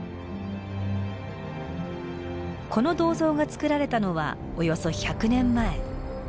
この銅像が作られたのはおよそ１００年前。